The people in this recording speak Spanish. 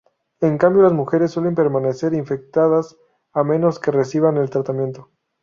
En cambio las mujeres suelen permanecer infectadas a menos que reciban el tratamiento.